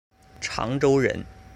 长洲人。